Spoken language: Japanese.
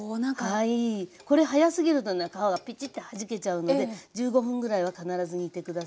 はいこれ早すぎるとね皮がピチッてはじけちゃうので１５分ぐらいは必ず煮て下さいね。